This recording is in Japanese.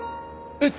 えっ！